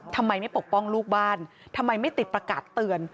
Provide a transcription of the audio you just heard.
ทำไมไม่ปกป้องลูกบ้านทำไมไม่ติดประกาศเตือน